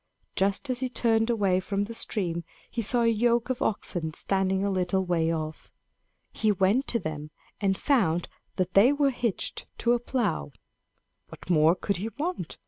Just as he turned away from the stream, he saw a yoke of oxen standing a little way off. He went to them and found that they were hitched to a plow. What more could he want?